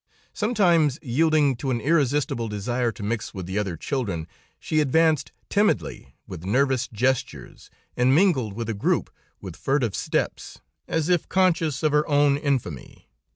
Sometimes, yielding to an irresistible desire to mix with the other children, she advanced, timidly, with nervous gestures, and mingled with a group, with furtive steps, as if conscious of her own infamy.